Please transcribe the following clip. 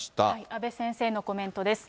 阿部先生のコメントです。